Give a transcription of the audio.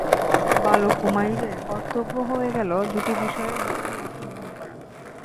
বালক উমাইরের কর্তব্য হয়ে গেল দুটি বিষয়ের যে কোন একটি গ্রহণ করা।